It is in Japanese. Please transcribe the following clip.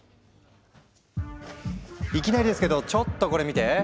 いきなりですけどちょっとこれ見て。